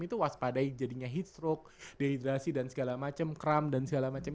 itu waspadai jadinya heatstroke dehydrasi dan segala macem kram dan segala macem